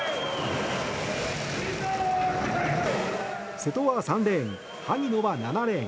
瀬戸は３レーン萩野は７レーン。